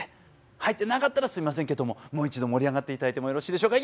入ってなかったらすみませんけどももう一度盛り上がっていただいてもよろしいでしょうか？